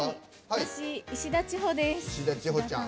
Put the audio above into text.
私、石田千穂です。